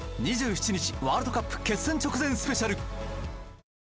２７日、ワールドカップ決戦直前スペシャル。